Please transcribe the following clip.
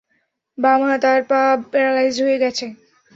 বাম হাত আর পা প্যারালাইজড হয়ে গেছে।